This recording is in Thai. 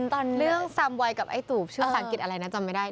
ตอนเรื่องซามวัยกับไอ้ตูบชื่อภาษาอังกฤษอะไรนะจำไม่ได้